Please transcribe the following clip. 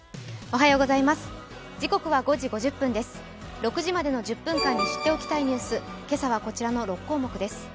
６時までの１０分間に知っておきたいニュース、今朝はこちらの６項目です。